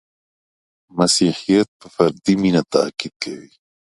• مسیحیت په فردي مینه تأکید کوي.